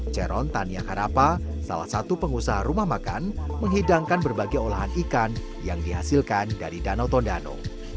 cheron tania harapah salah satu pengusaha rumah makan menghidangkan berbagai olahan ikan yang dihasilkan dari danau tondano